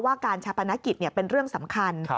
การชาปนกิจเป็นเรื่องสำคัญ